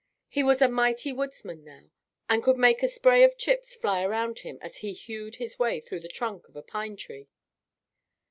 He was a mighty woodsman now, and could make a spray of chips fly around him as he hewed his way through the trunk of a pine tree.